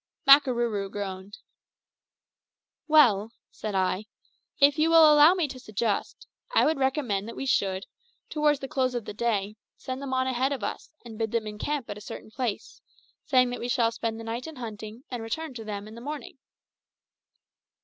Makarooroo groaned. "Well," said I, "if you will allow me to suggest, I would recommend that we should, towards the close of the day, send them on ahead of us, and bid them encamp at a certain place, saying that we shall spend the night in hunting, and return to them in the morning."